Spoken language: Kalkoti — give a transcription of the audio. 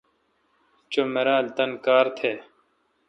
چو مرال تان کار تھ۔